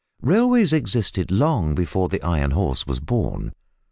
Railways existed long before the Iron Horse was born.